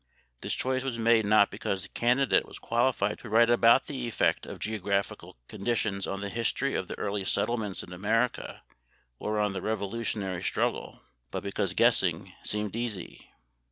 This choice was made not because the candidate was qualified to write about the effect of geographical conditions on the history of the early settlements in America, or on the Revolutionary struggle, but because guessing seemed easy.